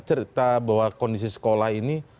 cerita bahwa kondisi sekolah ini